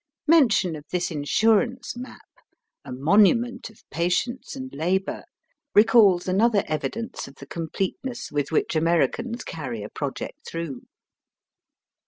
Mention of this insurance map, a monu ment of patience and labour, recalls another evidence of the completejiess with which Americans carry a project through.